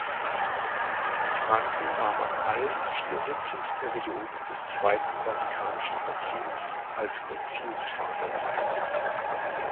Franco nahm an allen vier Sitzungsperioden des Zweiten Vatikanischen Konzils als Konzilsvater teil.